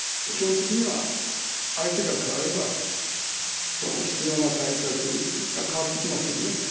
基本的には相手が変われば、必要な対策が変わってきますよね。